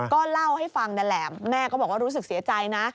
ก็เล่าให้ฟังนั่นแหละแม่ก็บอกว่ารู้สึกเสียใจนะ